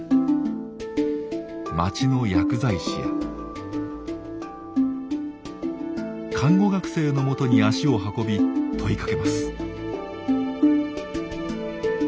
町の薬剤師や看護学生のもとに足を運び問いかけます。